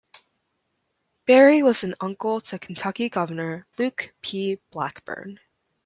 Barry was an uncle to Kentucky governor Luke P. Blackburn.